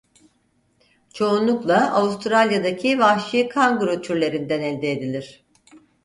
Çoğunlukla Avustralya'daki vahşi kanguru türlerinden elde edilir.